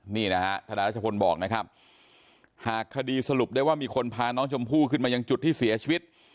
นี่นะฮะทนายรัชพลบอกนะครับหากคดีสรุปได้ว่ามีคนพาน้องชมพู่ขึ้นมายังจุดที่เสียชีวิต